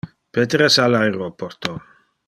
Peter es al aeroporto.